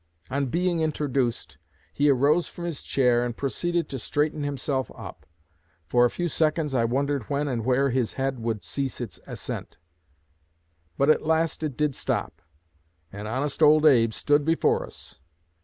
On being introduced, he arose from his chair and proceeded to straighten himself up. For a few seconds I wondered when and where his head would cease its ascent; but at last it did stop, and 'Honest Old Abe' stood before us.